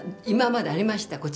今までありました。